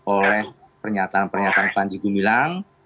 oleh pernyataan pernyataan panjegu milang